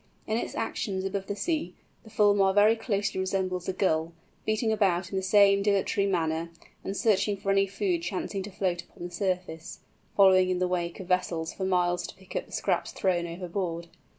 In its actions above the sea, the Fulmar very closely resembles a Gull, beating about in the same dilatory manner, and searching for any food chancing to float upon the surface, following in the wake of vessels for miles to pick up the scraps thrown overboard.